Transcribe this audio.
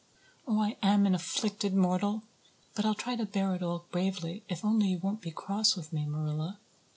Oh, I am an afflicted mortal. But I'll try to bear it all bravely if only you won't be cross with me, Marilla."